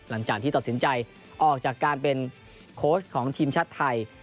หลังจากที่ตัดสินใจออกจากการเป็นโค้ชของทีมชาติไทย